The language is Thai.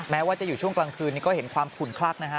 แม้ว่าจะอยู่ช่วงกลางคืนนี้ก็เห็นความขุนคลักนะฮะ